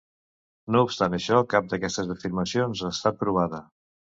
No obstant això, cap d'aquestes afirmacions ha estat provada.